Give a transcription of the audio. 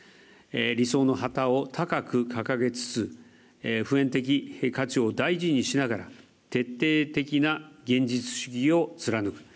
理想の旗を高く掲げつつ普遍的価値を大事にしながら徹底的な現実主義を貫く。